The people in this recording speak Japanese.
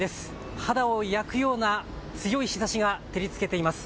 肌を焼くような強い日ざしが照りつけています。